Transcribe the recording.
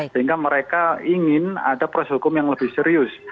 sehingga mereka ingin ada proses hukum yang lebih serius